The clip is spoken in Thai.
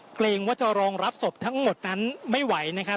เกรงว่าจะรองรับศพทั้งหมดนั้นไม่ไหวนะครับ